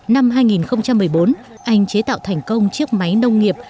năm hai nghìn một mươi bốn anh chế tạo thành công chiếc máy nông nghiệp